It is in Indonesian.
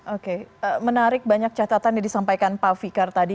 oke menarik banyak catatan yang disampaikan pak fikar tadi